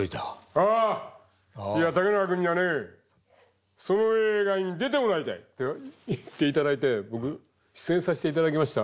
「あいや竹中君にはねその映画に出てもらいたい」と言っていただいて僕出演させていただきました